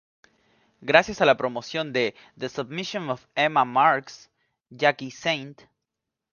Gracias a la promoción de "The Submission of Emma Marx", Jacky St.